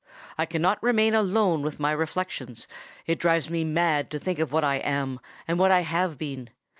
I cannot remain alone with my reflections—it drives me mad to think of what I am, and what I have been!